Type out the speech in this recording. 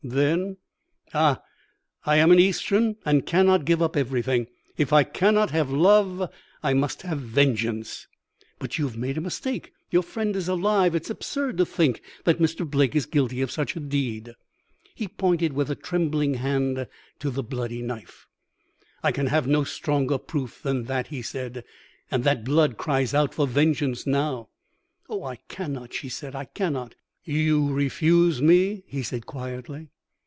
Then ah, I am an Eastern, and cannot give up everything. If I cannot have love, I must have vengeance.' "'But you have made a mistake. Your friend is alive. It is absurd to think that Mr. Blake is guilty of such a deed.' "He pointed with a trembling hand to the bloody knife. "'I can have no stronger proof than that,' he said, 'and that blood cries out for vengeance now.' "'Oh, I cannot,' she said, 'I cannot.' "'You refuse me?' he said quietly.